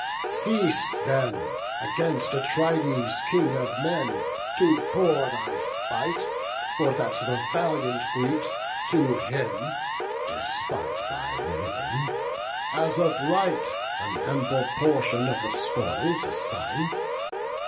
Cease then against Atrides, King of men, To pour thy spite, for that the valiant Greeks To him, despite thy railing, as of right An ample portion of the spoils assign.